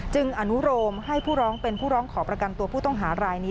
อนุโรมให้ผู้ร้องเป็นผู้ร้องขอประกันตัวผู้ต้องหารายนี้